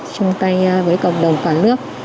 chung tay với cộng đồng cả nước